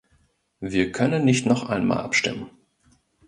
Wir können nicht noch einmal abstimmen.